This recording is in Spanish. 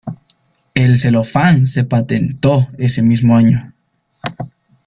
El celofán se patentó ese mismo año.